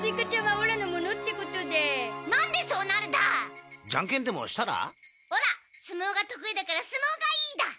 オラ相撲が得意だから相撲がいいだ！